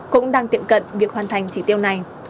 cũng đang tiệm cận việc hoàn thành chỉ tiêu này